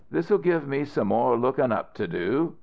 'This'll give me some more lookin' up to do.